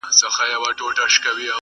دی پاچا هغه فقیر دا څنګه کیږي؟!!